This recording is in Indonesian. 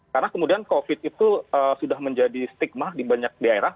karena kemudian covid itu sudah menjadi stigma di banyak daerah